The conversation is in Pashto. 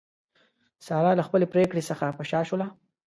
ساره له خپلې پرېکړې څخه په شا شوله.